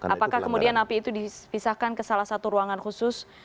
apakah kemudian napi itu dipisahkan ke salah satu ruangan khusus